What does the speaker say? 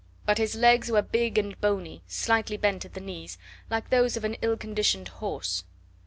But his legs were big and bony, slightly bent at the knees, like those of an ill conditioned horse.